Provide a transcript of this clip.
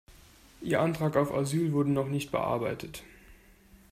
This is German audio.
Ihr Antrag auf Asyl wurde noch nicht bearbeitet.